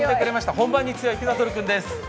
本番に強いピザトルくんです。